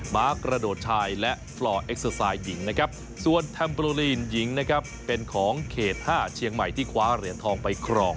ม้ากระโดดชายและปลอเอ็กเซอร์ไซด์หญิงนะครับส่วนแฮมโปรลีนหญิงนะครับเป็นของเขต๕เชียงใหม่ที่คว้าเหรียญทองไปครอง